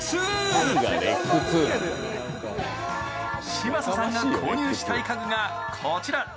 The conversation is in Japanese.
嶋佐さんが購入したい家具がこちら。